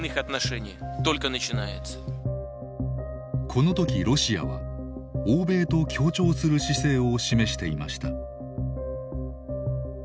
この時ロシアは欧米と協調する姿勢を示していました。